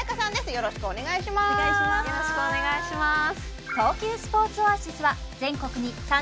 よろしくお願いします